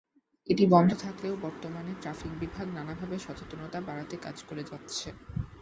এটি বন্ধ থাকলেও বর্তমানে ট্রাফিক বিভাগ নানাভাবে সচেতনতা বাড়াতে কাজ করে যাচ্ছে।